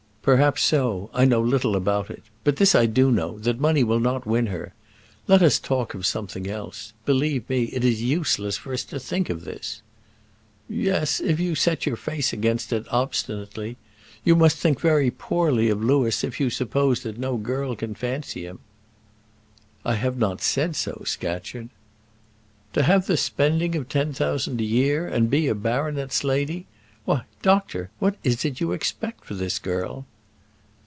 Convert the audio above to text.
"Perhaps so; I know little about it. But this I do know, that money will not win her. Let us talk of something else; believe me it is useless for us to think of this." "Yes; if you set your face against it obstinately. You must think very poorly of Louis if you suppose that no girl can fancy him." "I have not said so, Scatcherd." "To have the spending of ten thousand a year, and be a baronet's lady! Why, doctor, what is it you expect for this girl?"